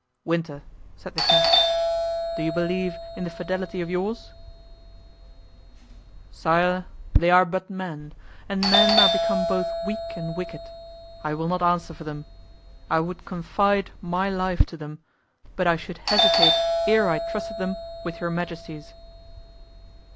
"Winter," said the king, "do you believe in the fidelity of yours?" "Sire, they are but men, and men are become both weak and wicked. I will not answer for them. I would confide my life to them, but I should hesitate ere I trusted them with your majesty's."